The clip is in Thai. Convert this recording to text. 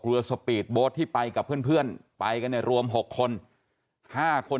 สปีดโบ๊ทที่ไปกับเพื่อนไปกันเนี่ยรวม๖คน๕คน